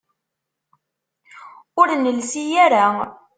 Ur nelsi ara.